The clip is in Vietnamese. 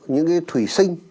những cái thủy sinh